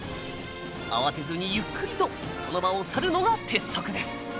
慌てずにゆっくりとその場を去るのが鉄則です。